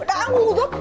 đã ngu rốt